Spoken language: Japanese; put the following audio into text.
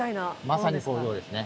まさに工場ですね。